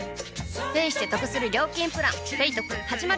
ペイしてトクする料金プラン「ペイトク」始まる！